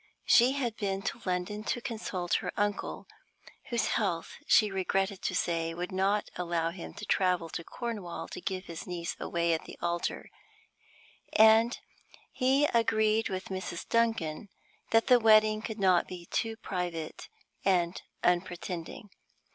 She had been to London to consult her uncle (whose health, she regretted to say, would not allow him to travel to Cornwall to give his niece away at the altar), and he agreed with Mrs. Duncan that the wedding could not be too private and unpretending.